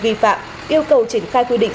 vi phạm yêu cầu triển khai quy định